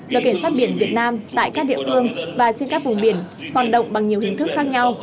đội cảnh sát biển việt nam tại các địa phương và trên các vùng biển hoạt động bằng nhiều hình thức khác nhau